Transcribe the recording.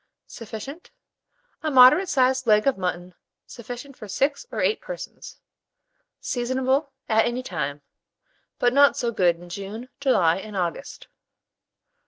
Sufficient. A moderate sized leg of mutton sufficient for 6 or 8 persons. Seasonable at any time, but not so good in June, July, and August.